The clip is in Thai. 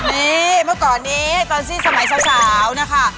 นี่เมื่อก่อนนี้ตอนที่สมัยสาวนะคะ